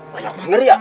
banyak banget ya